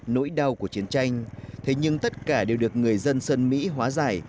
nỗi đau của chiến tranh thế nhưng tất cả đều được người dân sơn mỹ hóa giải